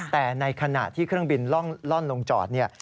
แต่ในขณะที่เครื่องบินล่อนลงจอดเนี่ย